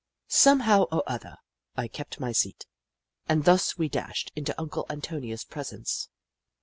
Somehow or other, I kept my seat, and thus we dashed into Uncle Antonio's presence.